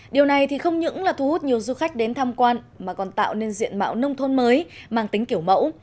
điều này thì không những là thu hút nhiều du khách đến tham quan mà còn tạo nên diện mạo nông thôn mới mang tính kiểu mẫu